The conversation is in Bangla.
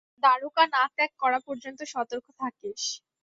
দ্বারকা না ত্যাগ করা পর্যন্ত সতর্ক থাকিস।